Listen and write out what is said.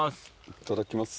いただきます。